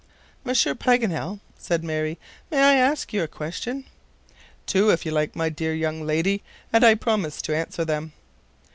"Monsieur Paganel," said Mary, "may I ask you a question?" "Two if you like, my dear young lady, and I promise to answer them."